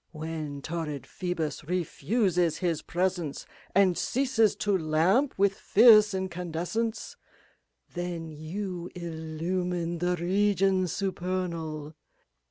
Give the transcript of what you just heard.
When torrid Phoebus refuses his presence And ceases to lamp with fierce incandescence^ Then you illumine the regions supernal.